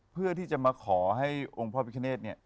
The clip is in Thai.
เพื่อที่จะมาขอให้องค์พระพิคเนธเนี่ย